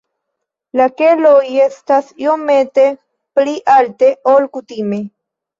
La keloj estas iomete pli alte, ol kutime.